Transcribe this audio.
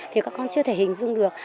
thì các con chưa thể hình dung được